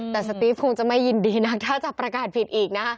แต่สตีฟคงจะไม่ยินดีนะถ้าจะประกาศผิดอีกนะ